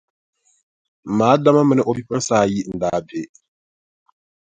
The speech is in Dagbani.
M ma Adama mini o bipuɣinsi ayi n-daa be.